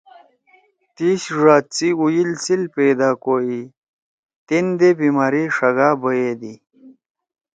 تیِش ڙاد سی اُوجل سیل پیدا کوئی تین دے بیماری ݜگا بیدی۔